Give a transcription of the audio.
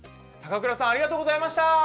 高倉さんありがとうございました。